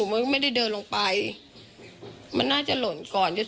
ตกลงไปจากรถไฟได้ยังไงสอบถามแล้วแต่ลูกชายก็ยังเล็กมากอะ